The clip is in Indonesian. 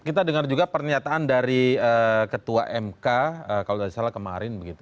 kita dengar juga pernyataan dari ketua mk kalau tidak salah kemarin begitu